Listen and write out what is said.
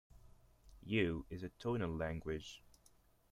Ewe is a tonal language.